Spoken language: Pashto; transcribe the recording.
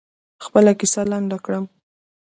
خپله کیسه لنډه کړم.